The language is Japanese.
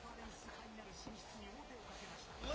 ファイナル進出に、王手をかけました。